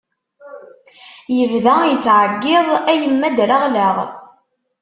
Yebda yettɛeyyiḍ: a yemma ddreɣleɣ!